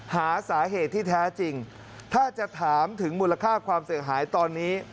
หาสาเหตุที่แท้จริงถ้าจะถามถึงมูลค่าความเสียหายตอนนี้